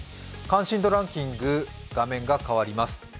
関心度ランキング、画面が変わります。